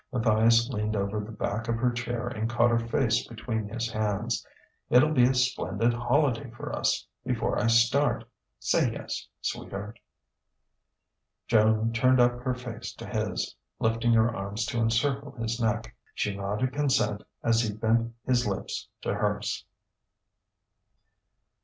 Matthias leaned over the back of her chair and caught her face between his hands. "It'll be a splendid holiday for us, before I start. Say yes sweetheart!" Joan turned up her face to his, lifting her arms to encircle his neck. She nodded consent as he bent his lips to hers.